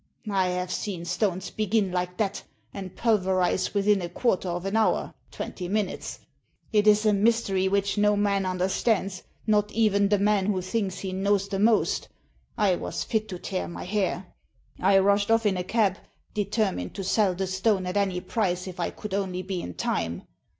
I have seen stones begin like that, and pulverise within a quarter of an hour — twenty minutes. It is a mystery which no man understands, not even the man who thinks he knows the most I was fit to tear my hair. I rushed off in a cab, determined to sell the stone at any price if I could only be in time.